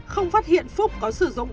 không phát hiện phúc có sử dụng